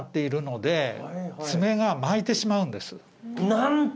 なんと！